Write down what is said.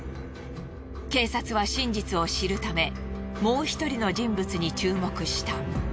警察は真実を知るためもう１人の人物に注目した。